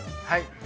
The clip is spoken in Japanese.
はい。